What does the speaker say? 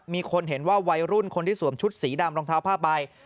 มีคนเห็นว่าวัยรุ่นคนที่สวมชุดสีดำรองเท้าผ้าใบ